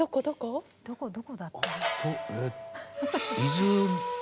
どこだった？